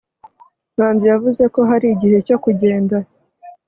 manzi yavuze ko hari igihe cyo kugenda